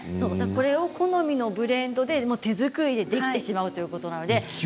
これを好みのブレンドで手作りでできてしまうということで。